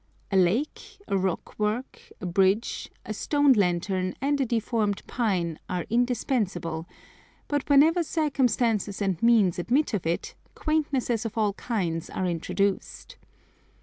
A lake, a rock work, a bridge, a stone lantern, and a deformed pine, are indispensable; but whenever circumstances and means admit of it, quaintnesses of all kinds are introduced.